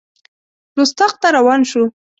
رُستاق ته روان شو.